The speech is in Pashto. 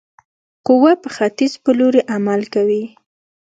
قوه په ختیځ په لوري عمل کوي.